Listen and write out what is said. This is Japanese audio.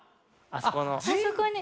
あそこに。